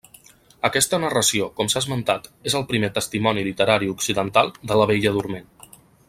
Aquesta narració, com s'ha esmentat, és el primer testimoni literari occidental de la Bella Dorment.